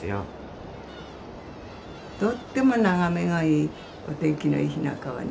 とっても眺めがいいお天気のいい日なんかはね